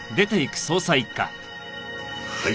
はい。